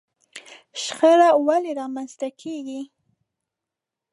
شخړه ولې رامنځته کېږي؟